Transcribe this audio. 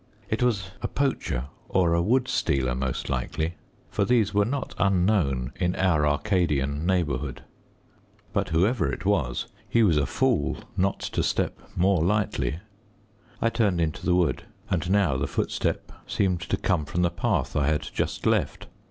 It was a poacher or a wood stealer, most likely, for these were not unknown in our Arcadian neighbourhood. But whoever it was, he was a fool not to step more lightly. I turned into the wood, and now the footstep seemed to come from the path I had just left.